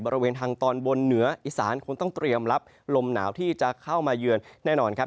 บริเวณทางตอนบนเหนืออีสานคงต้องเตรียมรับลมหนาวที่จะเข้ามาเยือนแน่นอนครับ